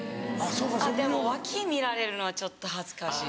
あっでも脇見られるのはちょっと恥ずかしい。